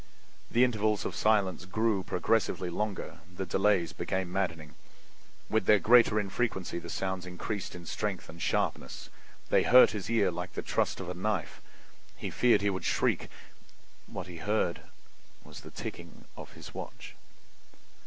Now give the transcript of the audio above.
The intervals of silence grew progressively longer; the delays became maddening. With their greater infrequency the sounds increased in strength and sharpness. They hurt his ear like the thrust of a knife; he feared he would shriek. What he heard was the ticking of his watch.